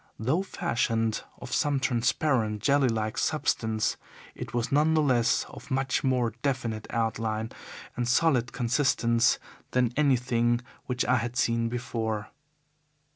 Though fashioned of some transparent, jelly like substance, it was none the less of much more definite outline and solid consistence than anything which I had seen before.